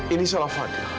ini salah fadil